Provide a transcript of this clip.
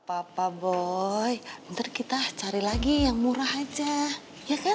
papa boy nanti kita cari lagi yang murah aja ya kan